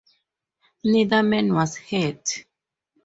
Neither man was hurt.